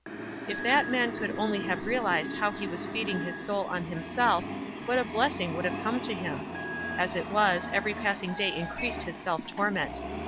If that man could only have realized how he was feeding his soul on himself, what a blessing would have come to him ! As it was, every passing day increased his self torment.